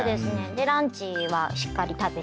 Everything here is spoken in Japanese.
ランチはしっかり食べて。